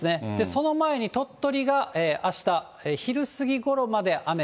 その前に鳥取があした、昼過ぎごろまで雨。